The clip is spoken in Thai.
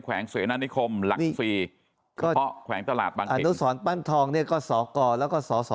แขวงเสนานิคมหลักฟรีก็แขวงตลาดบางเกษมอันนุสรปั้นทองเนี่ยก็สอกรแล้วก็สอสอ